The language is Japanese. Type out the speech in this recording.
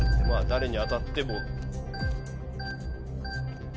誰に当たっても。